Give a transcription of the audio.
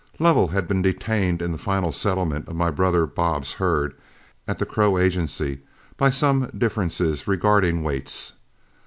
Lovell had been detained in the final settlement of my brother Bob's herd at the Crow Agency by some differences regarding weights.